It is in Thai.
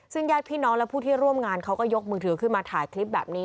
ซึ่งญาติพี่น้องและผู้ที่ร่วมงานเขาก็ยกมือถือขึ้นมาถ่ายคลิปแบบนี้